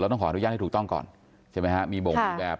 ต้องขออนุญาตให้ถูกต้องก่อนใช่ไหมฮะมีบ่งมีแบบ